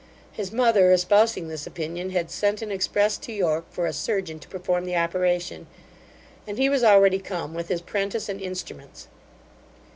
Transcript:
His mother, espousing this opinion, had sent an express to York for a surgeon to perform the operation, and he was already come with his 'prentice and instruments.